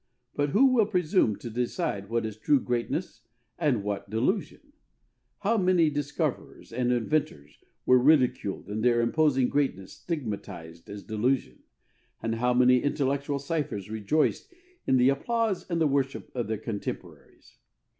But who will presume to decide what is true greatness and what delusion? How many discoverers and inventors were ridiculed and their imposing greatness stigmatized as delusion, and how many intellectual ciphers rejoiced in the applause and the worship of their contemporaries!